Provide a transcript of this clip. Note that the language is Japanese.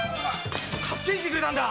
助けに来てくれたんだ！